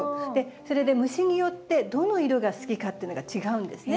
それで虫によってどの色が好きかっていうのが違うんですね。